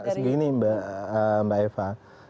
segini mbak eva